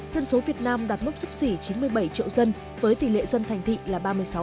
dân số việt nam đạt mức giúp sỉ chín mươi bảy triệu dân với tỷ lệ dân thành thị là ba mươi sáu